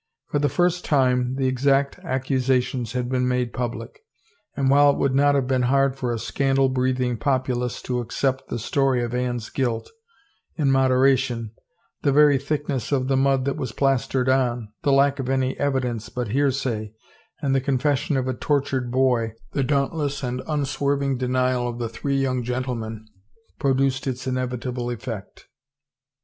For the first time the exact accusations had been made public, and while it would not have been hard for a scandal breathing populace to accept the story of Anne's guilt, in moderation, the very thickness of the mud that was plastered on, the lack of any evidence but hearsay and the confession of a tortured boy, the dauntless and unswerving denial of the three young gentlemen, pro duced its inevitable effect.